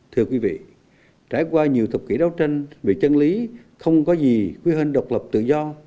thưa quý vị trải qua nhiều thập kỷ đấu tranh bị chân lý không có gì quy hình độc lập tự do